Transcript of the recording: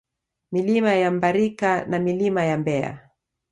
Milima ya Mbarika na Milima ya Mbeya